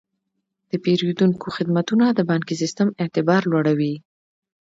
د پیرودونکو خدمتونه د بانکي سیستم اعتبار لوړوي.